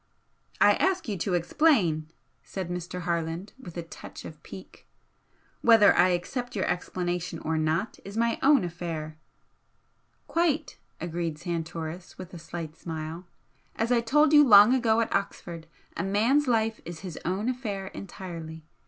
"I ask you to explain," said Mr. Harland, with a touch of pique "Whether I accept your explanation or not is my own affair." "Quite!" agreed Santoris, with a slight smile "As I told you long ago at Oxford, a man's life is his own affair entirely.